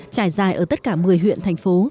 trải dài ở tất cả một mươi huyện thành phố